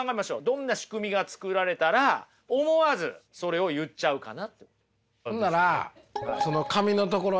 どんな仕組みが作られたら思わずそれを言っちゃうかな。